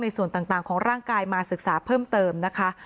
ส่วนต่างของร่างกายมาศึกษาเพิ่มเติมนะคะ